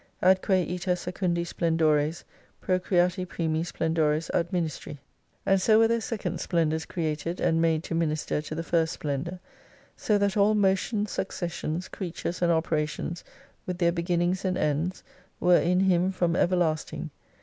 Atque ita Secundi Sphndores procreati primi spkndoris Administri, And so were there second splendours created, and made to minister to the first splendour, so that all motions, successions, creatures, and operations with their beginnings and ends were in Him from Everlasting.